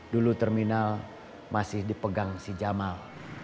dulu terminal masih dipegang si jamal